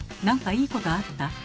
何かいいことあった？」